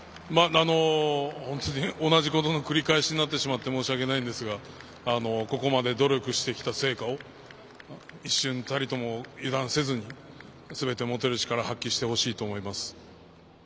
本当に同じことの繰り返しになってしまって申し訳ないんですがここまで努力してきた成果を一瞬たりとも油断せずにすべて持てる力を発揮してほしいと思います。